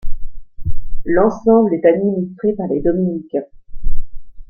L'ensemble est administré par les Dominicains.